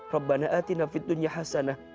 rabbana atina fid dunya hasanah